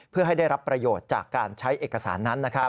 เพื่อให้ได้รับประโยชน์จากการใช้เอกสารนั้น